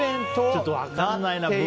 ちょっと分かんないな。